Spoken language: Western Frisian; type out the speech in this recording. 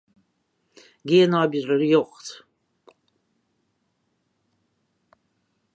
Gean nei berjocht.